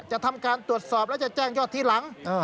ทำการตรวจสอบแล้วจะแจ้งยอดทีหลัง